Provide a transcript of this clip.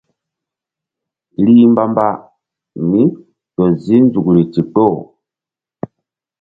Rih mbamba mí ƴo zi nzukri ndikpo.